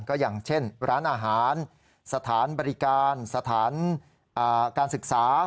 ก็อย่างเช่นร้านอาหารสถานบริการสถานการศึกษา